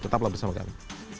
tetaplah bersama kami